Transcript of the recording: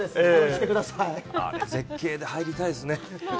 あれ、絶景で入りたいですね。